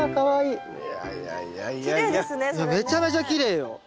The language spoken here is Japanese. いやめちゃめちゃきれいよ。